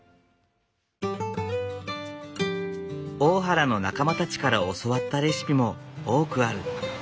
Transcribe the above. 大原の仲間たちから教わったレシピも多くある。